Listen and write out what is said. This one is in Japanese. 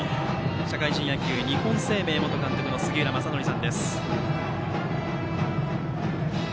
社会人野球、日本生命元監督の杉浦正則さんです。